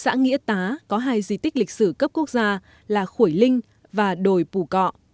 xã nghĩa tá có hai di tích lịch sử cấp quốc gia là khuổi linh và đồi bù cọ